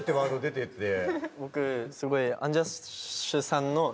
僕すごい。